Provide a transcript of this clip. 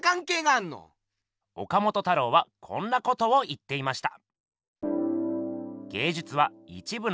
岡本太郎はこんなことを言っていました。